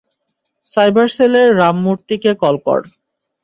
Cyber সেলের রামমূর্তিকে call কর।